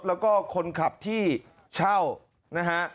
แล้วก็คนขับที่เช่านะฮะ